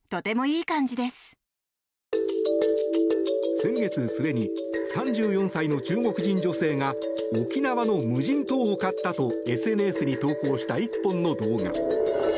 先月末に３４歳の中国人女性が沖縄の無人島を買ったとＳＮＳに投稿した１本の動画。